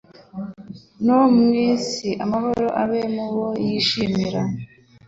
no mu isi amahoro abe mu bo yishimira"